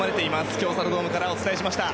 京セラドームからお伝えしました。